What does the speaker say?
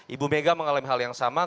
ibu mega mengalami hal yang sama